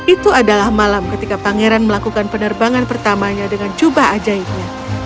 itu adalah malam ketika pangeran melakukan penerbangan pertamanya dengan jubah ajaibnya